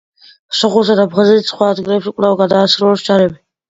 სოხუმსა და აფხაზეთის სხვა ადგილებში კვლავ გადაისროლეს ჯარები.